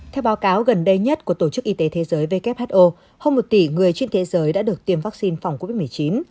theo báo cáo gần đây nhất của tổ chức y tế thế giới who hơn một tỷ người trên thế giới đã được tiêm vaccine phòng covid một mươi chín